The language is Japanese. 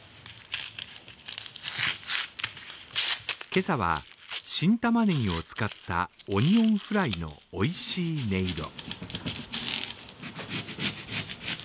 今朝は、新たまねぎを使ったオニオンフライのおいしい音色。